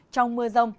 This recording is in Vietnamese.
trong mưa rông